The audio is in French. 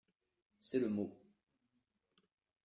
C’est le mot.